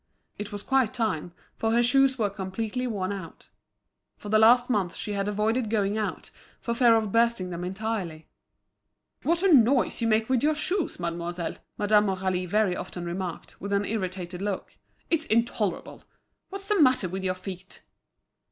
It was quite time, for her shoes were completely worn out. For the last month she had avoided going out, for fear of bursting them entirely. "What a noise you make with your shoes, mademoiselle!" Madame Aurélie very often remarked, with an irritated look. "It's intolerable. What's the matter with your feet?"